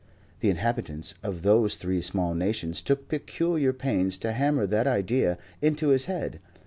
The inhabitants of those three small nations took peculiar pains to hammer that idea into his head.